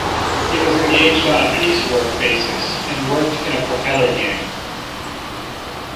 He was engaged on a piece work basis, and worked in a propeller gang.